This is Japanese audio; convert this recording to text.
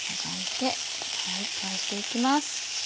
返して行きます。